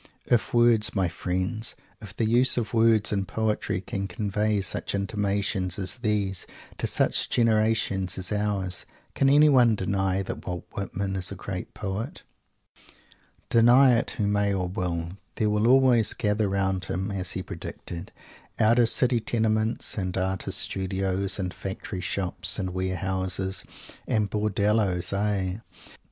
If words, my friends; if the use of words in poetry can convey such intimations as these to such a generation as ours, can anyone deny that Walt Whitman is a great poet? Deny it, who may or will. There will always gather round him as he predicted out of City Tenements and Artist Studios and Factory Shops and Ware Houses and Bordelloes aye!